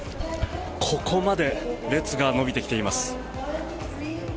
ここまで列が延びてきています。